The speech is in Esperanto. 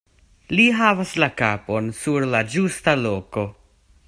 Li havas la kapon sur la ĝusta loko.